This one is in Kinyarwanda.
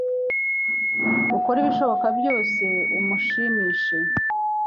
ukore ibishoboka byose umushimishe